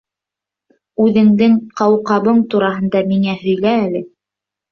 Үҙеңдең ҡауҡабың тураһында миңә һөйлә әле!